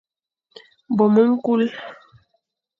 Bôm ñkul.